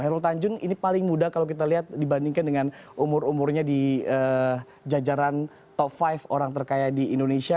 hairul tanjung ini paling muda kalau kita lihat dibandingkan dengan umur umurnya di jajaran top lima orang terkaya di indonesia